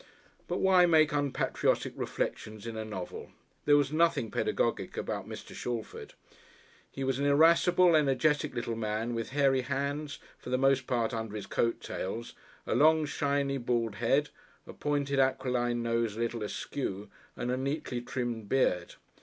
But why make unpatriotic reflections in a novel? There was nothing pedagogic about Mr. Shalford. He was an irascible, energetic little man, with hairy hands, for the most part under his coat tails, a long, shiny, bald head, a pointed, aquiline nose a little askew, and a neatly trimmed beard.